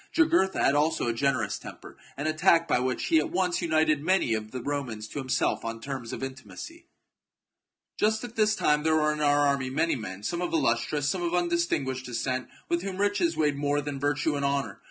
Jugurtha had also a generous temper, and a tact by which he at once united many of the Romans to himself on terms of intimacy. CHAP. Just at this time there were in our army many men, some of illustrious, some of undistinguished descent, with whom riches weighed more than virtue and honour.